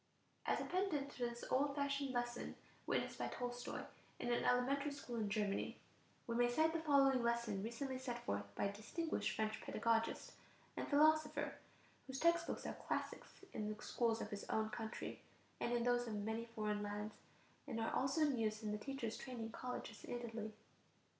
As a pendant to this old fashioned lesson witnessed by Tolstoy in an elementary school in Germany, we may cite the following lesson recently set forth by a distinguished French pedagogist and philosopher, whose text books are classics in the schools of his own country and in those of many foreign lands, and are also in use in the teachers' training colleges in Italy.